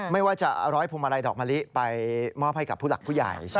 ไม่ว่าจะร้อยพวงมาลัยดอกมะลิไปมอบให้กับผู้หลักผู้ใหญ่